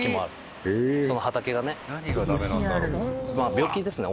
病気ですね